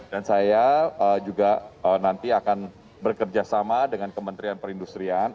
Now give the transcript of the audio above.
saya juga nanti akan bekerjasama dengan kementerian perindustrian